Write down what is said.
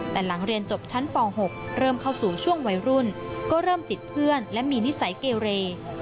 แต่หลังเรียนจบชั้นป๖เริ่มเข้าสู่ช่วงวัยรุ่นก็เริ่มติดเพื่อนและมีนิสัยเกเร